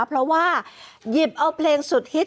เพราะว่าหยิบเอาเพลงสุดฮิต